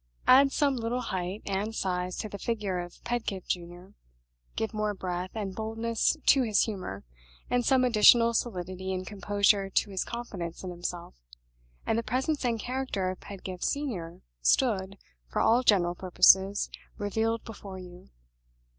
Add some little height and size to the figure of Pedgift Junior, give more breadth and boldness to his humor, and some additional solidity and composure to his confidence in himself, and the presence and character of Pedgift Senior stood, for all general purposes, revealed before you.